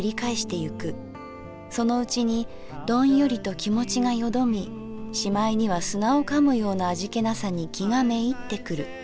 そのうちにドンヨリと気持がよどみしまいには砂を噛むような味気なさに気がめいってくる。